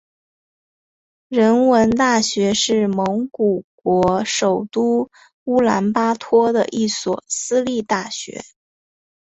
人文大学是蒙古国首都乌兰巴托的一所私立大学。